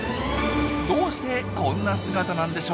どうしてこんな姿なんでしょう？